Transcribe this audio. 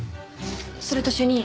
それと主任。